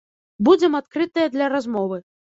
Будзем адкрытыя для размовы.